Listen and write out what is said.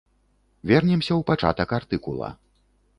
Вернемся ў пачатак артыкула.